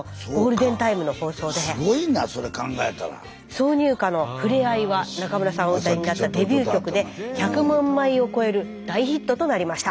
挿入歌の「ふれあい」は中村さんお歌いになったデビュー曲で１００万枚を超える大ヒットとなりました。